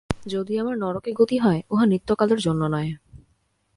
যদি আমার নরকে গতি হয়, উহা নিত্যকালের জন্য নয়।